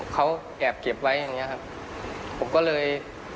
เขาแอบเก็บไว้อย่างเงี้ครับผมก็เลย